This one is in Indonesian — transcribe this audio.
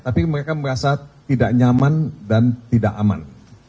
tapi mereka merasa tidak nyaman dan tidak aman